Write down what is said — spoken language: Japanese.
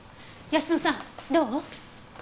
泰乃さんどう？